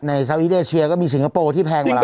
สาวิเดเชียก็มีสิงคโปร์ที่แพงกว่าเรา